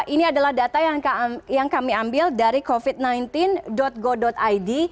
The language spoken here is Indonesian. ini adalah data yang kami ambil dari covid sembilan belas go id